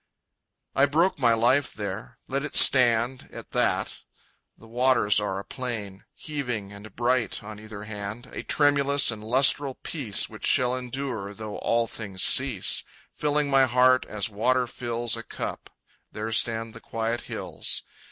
I broke my life there. Let it stand At that. The waters are a plain, Heaving and bright on either hand, A tremulous and lustral peace Which shall endure though all things cease, Filling my heart as water fills A cup. There stand the quiet hills.